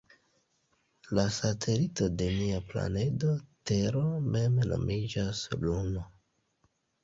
La satelito de nia planedo Tero mem nomiĝas Luno.